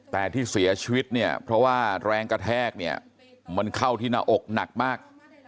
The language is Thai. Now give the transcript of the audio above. แต่ที่เสียชีวิตเนี่ยเพราะว่าแรงกระแทกเนี่ยมันเข้าที่หน้าอกหนักมาก